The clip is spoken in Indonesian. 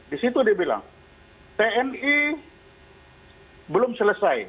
di situ dia bilang tni belum selesai